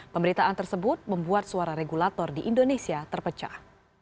pemberitaan tersebut membuat suara regulator di indonesia terpecah